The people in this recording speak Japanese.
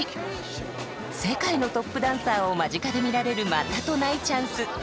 世界のトップダンサーを間近で見られるまたとないチャンス。